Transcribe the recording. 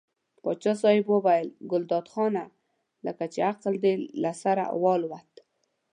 پاچا صاحب وویل ګلداد خانه لکه چې عقل دې له سره والوت.